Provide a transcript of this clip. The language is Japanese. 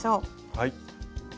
はい。